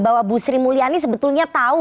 bahwa bu sri mulyani sebetulnya tahu